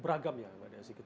beragam ya pak den